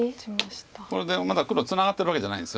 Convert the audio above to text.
これでまだ黒ツナがってるわけじゃないんです。